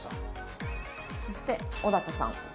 そして尾高さん。